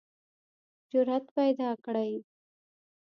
جرئت پیداکړئ